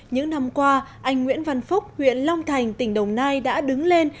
những năm qua anh nguyễn văn phúc huyện long thành tỉnh đồng nai đã đứng lên